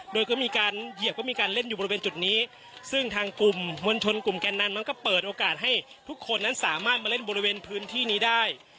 โดยก็มีการเหยียบก็มีการเล่นอยู่บริเวณจุดนี้ซึ่งทางกลุ่มมวลชนกลุ่มแก่นนำมันก็เปิดโอกาสให้ทุกคนนั้นสามารถมาเล่นบริเวณพื้นที่นี้ได้